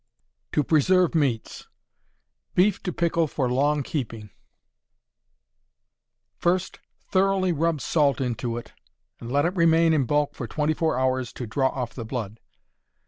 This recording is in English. To Preserve Meats. Beef to pickle for long keeping. First, thoroughly rub salt into it, and let it remain in bulk for twenty four hours to draw off the blood.